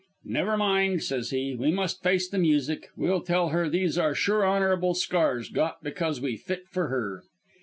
'Never mind,' says he, 'we must face the music. We'll tell her these are sure honourable scars, got because we fit for her.'